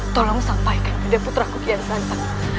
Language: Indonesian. tolong sampaikan ke putraku kian santang